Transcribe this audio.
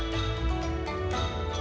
murung dimanjakan maksuh